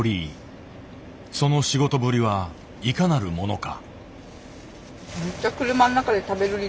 その仕事ぶりはいかなるものか。